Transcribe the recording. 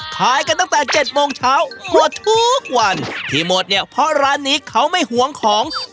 ขายกันตั้งแต่๗โมงเช้ากว่าทุกวันที่หมดเนี่ยเพราะร้านนี้เขาไม่ห่วงของ